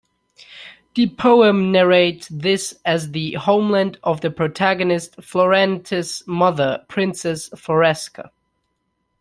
The poem narrates this as the homeland of the protagonist Florante's mother, Princess Floresca.